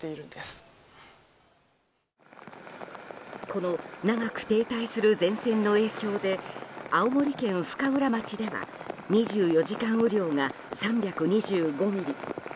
この長く停滞する前線の影響で青森県深浦町では２４時間雨量が３２５ミリ。